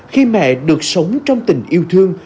khi mẹ được sống trong tình yêu thương